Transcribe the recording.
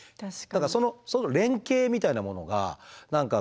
だからその連係みたいなものが何か